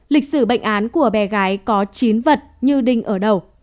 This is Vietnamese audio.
lịch sử bệnh án của bé gái có chín vật như đinh ở đầu